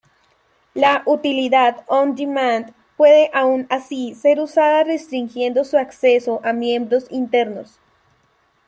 La utilidad on-demand puede aun así ser usada restringiendo su acceso a miembros internos.